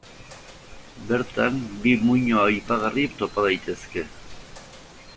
Bertan bi muino aipagarri topa daitezke.